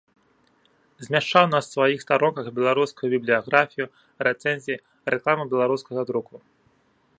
Змяшчаў на сваіх старонках беларускую бібліяграфію, рэцэнзіі, рэкламу беларускага друку.